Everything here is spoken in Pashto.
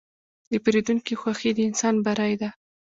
د پیرودونکي خوښي د انسان بری ده.